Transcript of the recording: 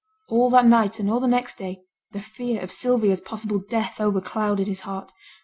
All that night and all the next day, the fear of Sylvia's possible death overclouded his heart.